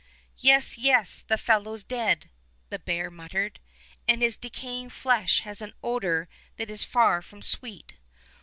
"Yes, yes, the fellow's dead," the bear muttered, "and his decaying flesh has an odor that is far from sweet.